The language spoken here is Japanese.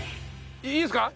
いいですか？